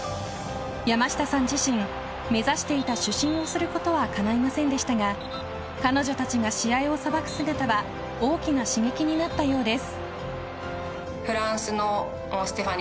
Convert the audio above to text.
山下さん自身目指していた主審をすることはかないませんでしたが彼女たちが試合を裁く姿は大きな刺激になったようです。